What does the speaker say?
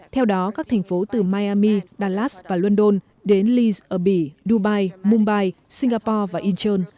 theo đó các thành phố từ miami dallas và london đến leeds abbey dubai mumbai singapore và incheon